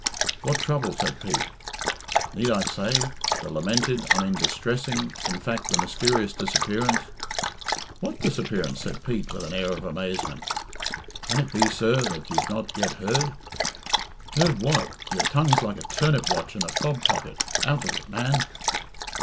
"What trouble?" said Pete. "Need I say the lamented I mean distressing in fact, the mysterious disappearance " "What disappearance?" said Pete, with an air of amazement. "Can it be, sir, that you've not yet heard " "Heard what? Your tongue's like a turnip watch in a fob pocket out with it, man."